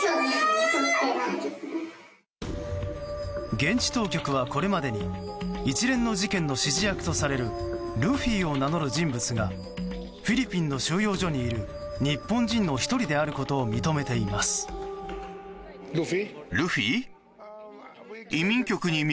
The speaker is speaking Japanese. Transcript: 現地当局はこれまでに一連の事件の指示役とされるルフィを名乗る人物がフィリピンの収容所にいる日本人の１人であることを認めています。